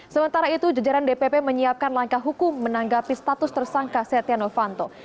sementara itu jajaran dpp menyiapkan langkah hukum menanggapi status tersangka setia novanto